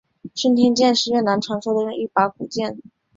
顺天剑是越南传说中的一把古剑。